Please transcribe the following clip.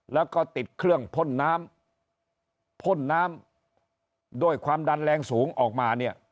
แล้วก็ติดเครื่องพ่นน้ำพ่นน้ำด้วยความดันแรงสูงออกมาเนี่ย